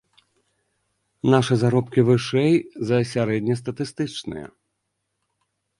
Нашы заробкі вышэй за сярэднестатыстычныя.